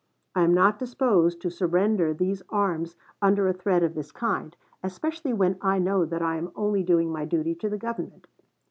I am not disposed to surrender these arms under a threat of this kind, especially when I know that I am only doing my duty to the Government."